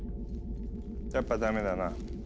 やっぱダメだな。